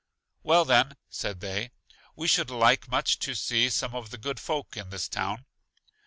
Well, then, said they, we should like much to see some of the good folk in this town.